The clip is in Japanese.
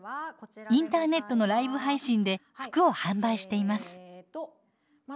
インターネットのライブ配信で服を販売しています。